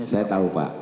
saya tahu pak